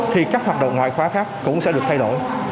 thì các hoạt động ngoại khóa khác cũng sẽ được thay đổi